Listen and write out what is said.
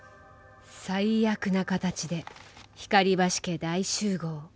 最悪な形で光橋家大集合。